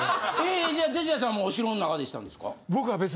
じゃあ鉄矢さんもお城の中でしたんですか？